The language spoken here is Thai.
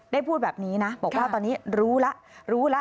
ได้พูดแบบนี้นะบอกว่าตอนนี้รู้แล้ว